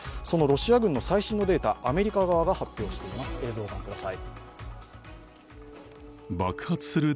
そのロシア軍の最新のデータ、アメリカ側が発表しています。